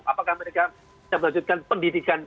apakah mereka bisa melanjutkan pendidikan